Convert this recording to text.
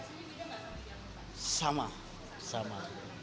itu dapatnya sama sama